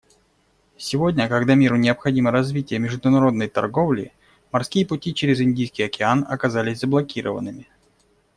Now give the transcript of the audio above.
Сегодня, когда миру необходимо развитие международной торговли, морские пути через Индийский океан оказались заблокированными.